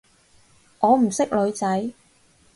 我唔識女仔